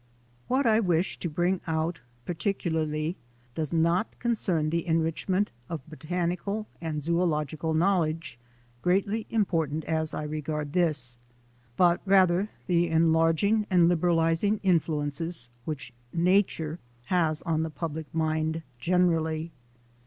WHAT I wish to bring out particularly does not concern the enrichment oj botanical and zoological knowledge, greatly important as I regard this, but rather the enlarging and liberalizing influences which Nature has on the public mind generally.